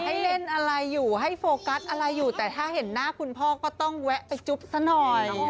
ให้เล่นอะไรอยู่ให้โฟกัสอะไรอยู่แต่ถ้าเห็นหน้าคุณพ่อก็ต้องแวะไปจุ๊บซะหน่อย